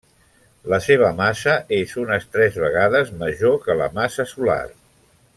La seva massa és unes tres vegades major que la massa solar.